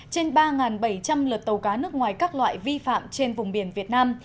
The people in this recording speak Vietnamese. trên ba bảy trăm linh lượt tàu cá nước ngoài các loại vi phạm trên vùng biển việt nam